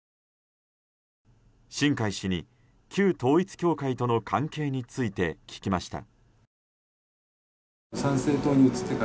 新開氏に旧統一教会との関係について聞きました。